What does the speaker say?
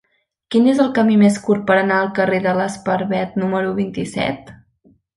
Quin és el camí més curt per anar al carrer de l'Esparver número vint-i-set?